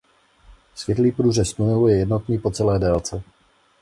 Světlý průřez tunelu je jednotný po celé délce.